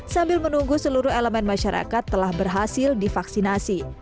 sambil menunggu seluruh elemen masyarakat telah berhasil divaksinasi